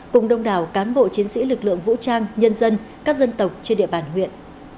cùng đông đảo cán bộ chiến sĩ lực lượng vũ trang nhân dân các dân tộc trên địa bàn huyện